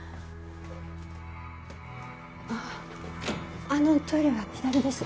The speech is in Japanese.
ああのトイレは左です